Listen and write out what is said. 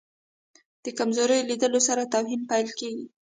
د کمزوري لیدلو سره توهین پیل کېږي.